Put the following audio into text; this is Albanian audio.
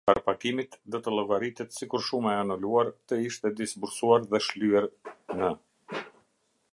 Parapagimit do të llogaritet sikur shuma e anuluar të ishte disbursuar dhe shlyer në.